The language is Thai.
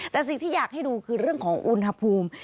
แต่สิ่งที่อยากให้ดูคือเรื่องของอุณหภูมิ